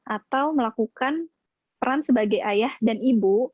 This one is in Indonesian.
atau melakukan peran sebagai ayah dan ibu